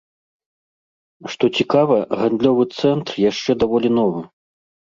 Што цікава, гандлёвы цэнтр яшчэ даволі новы.